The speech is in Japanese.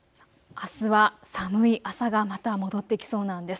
あすは寒い朝がまた戻ってきそうなんです。